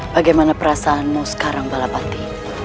bagaimana perasaanmu sekarang balapati